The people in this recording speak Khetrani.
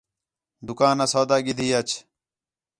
دُُکانا سودا گِھدی اچ